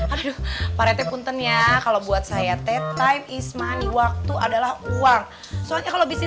aduh pak rt punten ya kalau buat saya te time is money waktu adalah uang soalnya kalau bisnis